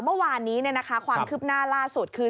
เมื่อวานนี้ความคืบหน้าล่าสุดคือ